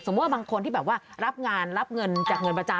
บางคนที่แบบว่ารับงานรับเงินจากเงินประจำ